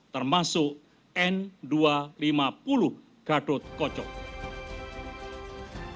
termasuk n dua ratus lima puluh gatotko cakaria bghbb